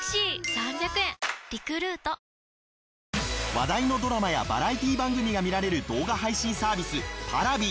話題のドラマやバラエティー番組が見られる動画配信サービスＰａｒａｖｉ。